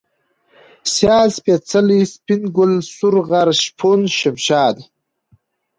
سيال ، سپېڅلى ، سپين گل ، سورغر ، شپون ، شمشاد